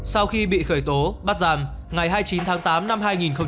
sau khi bị khởi tố bắt giam ngày hai mươi chín tháng tám năm hai nghìn hai mươi ba